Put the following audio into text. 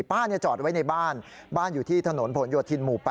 ป้าจอดไว้ในบ้านบ้านอยู่ที่ถนนผลโยธินหมู่๘